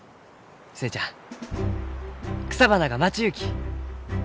寿恵ちゃん草花が待ちゆうき！